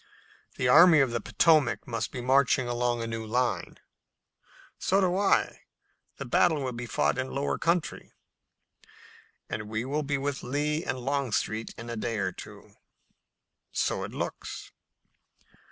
The Army of the Potomac must be marching along in a new line." "So do I. The battle will be fought in lower country." "And we will be with Lee and Longstreet in a day or two." "So it looks."